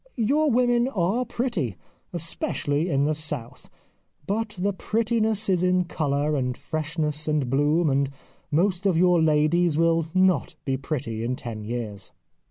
Your women are pretty, especially in the South, but the prettiness is in colour and freshness and bloom, and most of your ladies will not be pretty in ten years.'